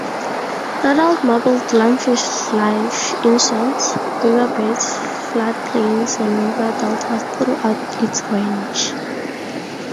Adult marbled lungfish live in swamps, riverbeds, floodplains, and river deltas throughout its range.